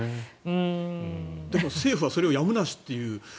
でも政府はそれをやむなしという。